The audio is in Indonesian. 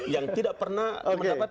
yang tidak pernah mendapatkan pemerintah itu